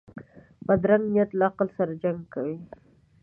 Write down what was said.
بدرنګه نیت له عقل سره جنګ کوي